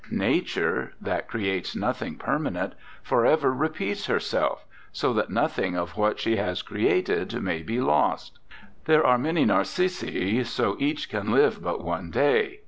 Nature, that creates nothing permanent, forever re peats itself, so that nothing of what she has created may be lost. There are many narcisse, so each can live but one day.